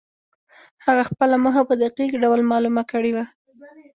هغه خپله موخه په دقيق ډول معلومه کړې وه.